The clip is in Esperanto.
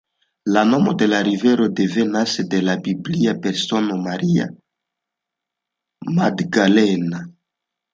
La nomo de la rivero devenas de la biblia persono Maria Magdalena.